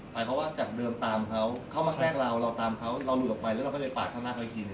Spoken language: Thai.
แต่เขาว่าจากเดิมตามเขาเข้ามาแกล้งเราเราตามเขาเราหลุดออกไปแล้วไปปากข้างหน้าก็อีกที